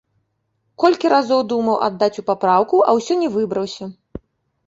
Колькі разоў думаў аддаць у папраўку, а ўсё не выбраўся.